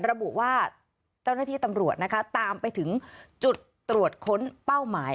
ระบุว่าเจ้าหน้าที่ตำรวจนะคะตามไปถึงจุดตรวจค้นเป้าหมาย